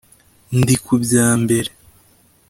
Ndi ku bya mbere